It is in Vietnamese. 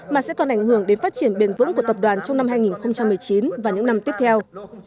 mà sẽ còn ảnh hưởng đến phát triển bền vững của tập đoàn trong năm hai nghìn một mươi chín và những năm tiếp theo